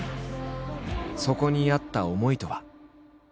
そこにあった思いとは。